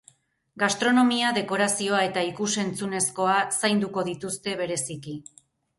Gastronomia, dekorazioa eta ikus-entzunezkoa zainduko dituzte bereziki.